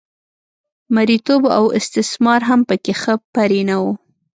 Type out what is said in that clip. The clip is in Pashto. مریتوب او استثمار هم په کې ښه پرېنه و